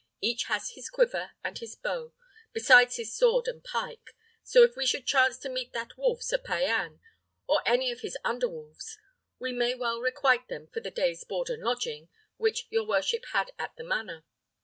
Each has his quiver and his bow, besides his sword and pike; so if we should chance to meet that wolf Sir Payan, or any of his under wolves, we may well requite them for the day's board and lodging which your worship had at the manor.